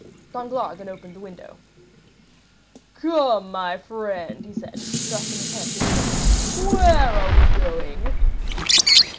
Danglars then opened the window. "Come, my friend," he said, thrusting his hand through the opening, "where are we going?"